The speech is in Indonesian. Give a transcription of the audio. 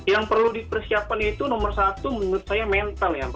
yang perlu dipersiapkan itu nomor satu menurut saya mental ya